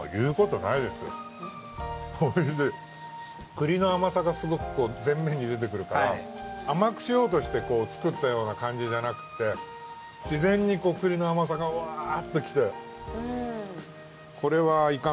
栗の甘さがすごく前面に出てくるから甘くしようとして作ったような感じじゃなくてしぜんに栗の甘さがわぁっと来て。